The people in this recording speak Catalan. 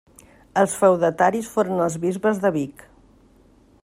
Els feudataris foren els bisbes de Vic.